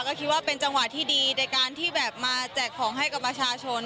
ก็คิดว่าเป็นจังหวะที่ดีในการที่แบบมาแจกของให้กับประชาชน